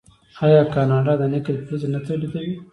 آیا کاناډا د نکل فلز نه تولیدوي؟